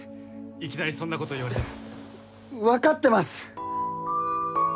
いきなりそんなこと言われても分かってます！